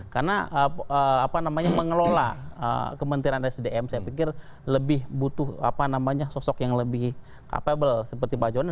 karena mengelola kementerian sdm saya pikir lebih butuh sosok yang lebih capable seperti pak jonan